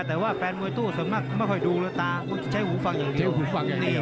แต่ว่าแฟนมวยตู้ส่วนมากไม่ค่อยดูหรือตาใช้หูฟังอย่างเดียว